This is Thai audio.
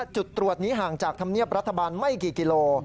จุดตรวจนี้ห่างจากธรรมเนียบรัฐบาลไม่กี่กิโล